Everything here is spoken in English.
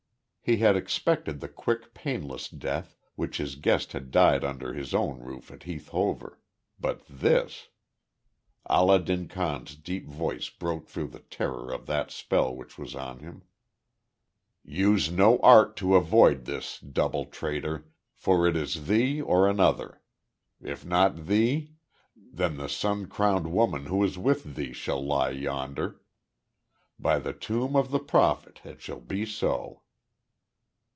He had expected the quick, painless death, which his guest had died under his own roof at Heath Hover but this! Allah din Khan's deep voice broke through the terror of the spell that was on him. "Use no art to avoid this, double traitor, for it is thee or another. If not thee, then the sun crowned woman who is with thee shall lie yonder. By the tomb of the Prophet it shall be so."